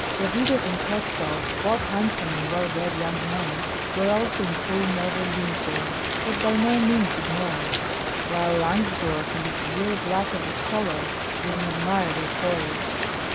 Davidov and Khostov, both handsome and well bred young men, were also in full naval uniform, and by no means ignored; while Langsdorff, in the severe black of the scholar, was an admirable foil.